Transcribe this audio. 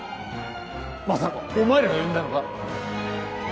まさかお前らが呼んだのか？